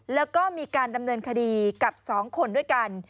แล้วก็มีการดำเนินคดีกับ๒คนด้วยกัน